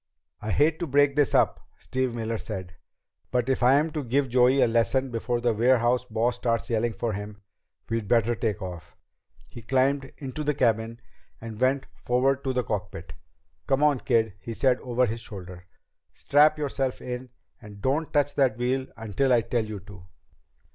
"I hate to break this up," Steve Miller said, "but if I'm to give Joey a lesson before the warehouse boss starts yelling for him, we'd better take off." He climbed into the cabin and went forward to the cockpit. "Come on, kid," he said over his shoulder. "Strap yourself in, and don't touch that wheel until I tell you to."